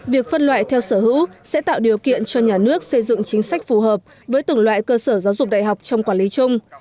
việc phân loại theo sở hữu sẽ tạo điều kiện cho nhà nước xây dựng chính sách phù hợp với từng loại cơ sở giáo dục đại học trong quản lý chung